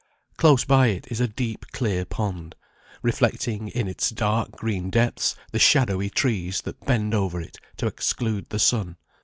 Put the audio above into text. Close by it is a deep, clear pond, reflecting in its dark green depths the shadowy trees that bend over it to exclude the sun.